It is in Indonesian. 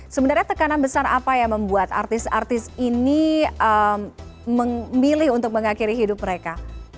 sebenarnya tekanan besar apa yang membuat artis artis ini memilih untuk mengakhiri hidup mereka